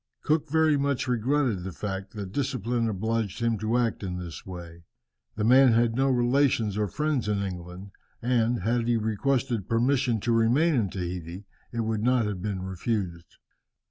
Cook very much regretted the fact that discipline obliged him to act in this way. The man had no relations or friends in England, and, had he requested permission to remain in Tahiti, it would not have been refused.